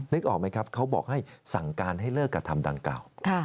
ออกไหมครับเขาบอกให้สั่งการให้เลิกกระทำดังกล่าว